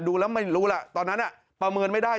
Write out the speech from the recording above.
ดูแล้วไม่รู้ล่ะตอนนั้นประเมินไม่ได้